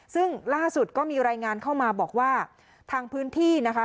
ซึ่งล่าสุดก็มีรายงานเข้ามาบอกว่าทางพื้นที่นะคะ